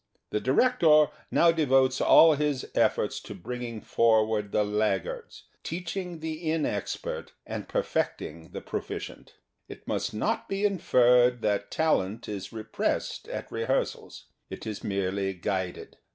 The director now devotes all his efforts to bringing forward the laggards, teaching the in expert and perfecting the proficient. It must not be inferred that talent is repressed at rehearsals. It is merely guided.